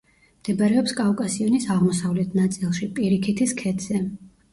მდებარეობს კავკასიონის აღმოსავლეთ ნაწილში, პირიქითის ქედზე.